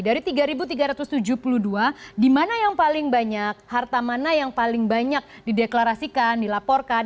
dari tiga tiga ratus tujuh puluh dua di mana yang paling banyak harta mana yang paling banyak dideklarasikan dilaporkan